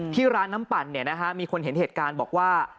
ที่ร้านน้ำปั่นมีคนเห็นเหตุการณ์บอกว่า